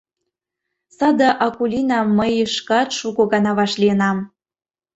Саде Акулинам мый шкат шуко гана вашлийынам.